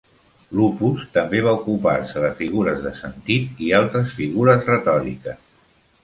Lupus també va ocupar-se de figures de sentit i altres figures retòriques.